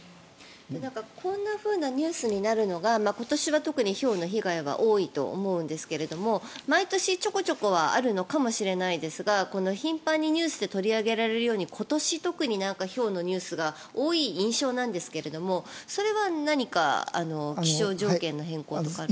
こんなニュースになるのが今年は特にひょうの被害が大きいと思うんですが毎年、ちょこちょこはあるのかもしれませんが頻繁にニュースで取り上げられるように今年、特にひょうのニュースが多い印象なんですがそれは何か、気象条件の変更とかあるんですか？